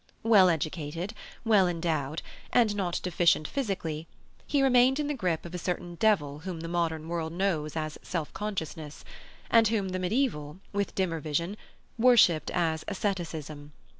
Well educated, well endowed, and not deficient physically, he remained in the grip of a certain devil whom the modern world knows as self consciousness, and whom the medieval, with dimmer vision, worshipped as asceticism.